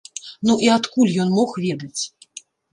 Ну і адкуль ён мог ведаць?